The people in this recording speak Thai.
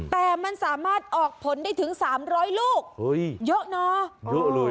แต่มันสามารถออกผลได้ถึง๓๐๐ลูกเยอะนะเยอะเลย